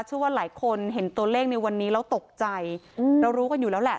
เชื่อว่าหลายคนเห็นตัวเลขในวันนี้แล้วตกใจอืมเรารู้กันอยู่แล้วแหละ